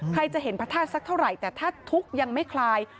ใครจะเห็นพระธาตุสักเท่าไหร่แต่ถ้าทุกข์ยังไม่คลาย